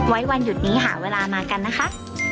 วันหยุดนี้หาเวลามากันนะคะ